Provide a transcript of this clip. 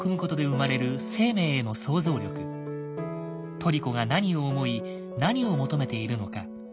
トリコが何を思い何を求めているのか。